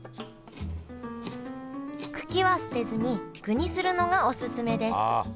茎は捨てずに具にするのがオススメですああ。